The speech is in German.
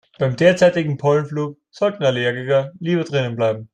Beim derzeitigen Pollenflug sollten Allergiker lieber drinnen bleiben.